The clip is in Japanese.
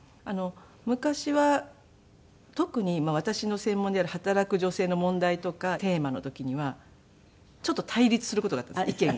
昔は特に私の専門である働く女性の問題とかテーマの時にはちょっと対立する事があったんです意見が。